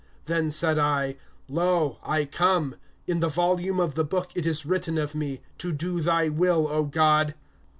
(7)Then said I: Lo, I come, In the volume of the book it is written of me, To do thy will, O God.